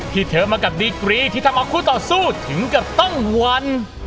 ที่เธอมากับดีกรีที่ทำเอาคู่ต่อสู้ถึงกับต้องวัน